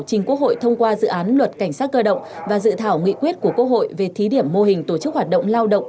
trình quốc hội thông qua dự án luật cảnh sát cơ động và dự thảo nghị quyết của quốc hội về thí điểm mô hình tổ chức hoạt động lao động